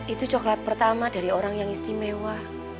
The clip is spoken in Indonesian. itu coklat pertama dari orang yang istimewa